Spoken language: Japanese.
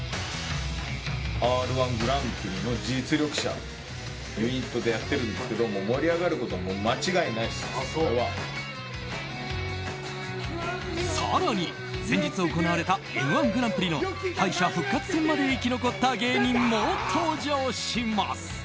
「Ｒ‐１グランプリ」の実力者ユニットでやってるんですけど更に、先日行われた「Ｍ‐１グランプリ」の敗者復活戦まで生き残った芸人も登場します。